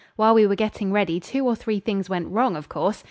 While we were getting ready two or three things went wrong, of course.